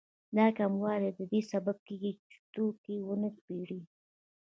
دا کموالی د دې سبب کېږي چې توکي ونه پېري